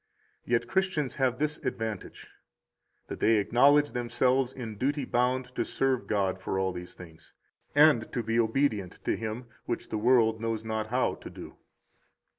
Yet Christians have this advantage, that they acknowledge themselves in duty bound to serve God for all these things, and to be obedient to Him [which the world knows not how to do].